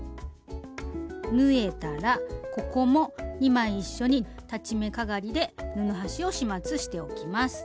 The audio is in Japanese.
縫えたらここも２枚一緒に裁ち目かがりで布端を始末しておきます。